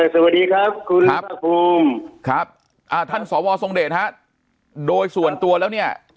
สวัสดีครับคุณภาคภูมิครับอ่าท่านสวทรงเดชฮะโดยส่วนตัวแล้วเนี่ย